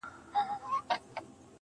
سترگي مي ړندې سي رانه وركه سې.